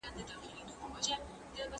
په ټولنه کي سياسي قدرت لاسته راوړل کېږي.